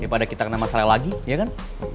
daripada kita kena masalah lagi iya kan